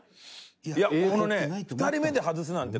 ２人目で外すなんて